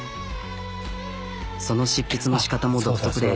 その執筆のしかたも独特で。